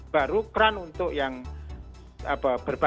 baru peran untuk yang berbasis